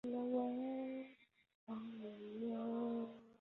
永续年金是一种永无止境的年金或者现金支付流。